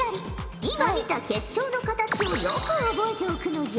今見た結晶の形をよく覚えておくのじゃ。